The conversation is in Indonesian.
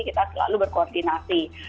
kita selalu berkoordinasi